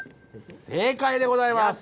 正解でございます！